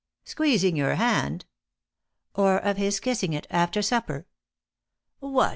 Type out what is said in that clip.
" Squeezing your hand ?"" Or of his kissing it, after supper ?"" What